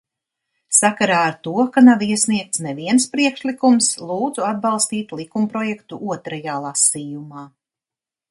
Sakarā ar to, ka nav iesniegts neviens priekšlikums, lūdzu atbalstīt likumprojektu otrajā lasījumā.